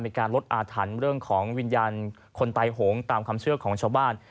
มีการลดอาถรรพ์เรื่องของวิญญาณคนตายโหงตามความเชื่อของชาวบ้าน